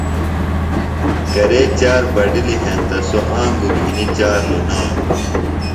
کرے چار بڈِلیۡ ہینتہ سوۡ آنگُوۡ گِھنیۡ چار لُنانوۡ۔